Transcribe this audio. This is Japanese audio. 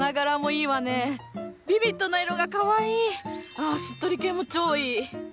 あしっとり系も超いい！